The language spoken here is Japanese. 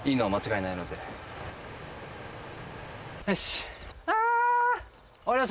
よし。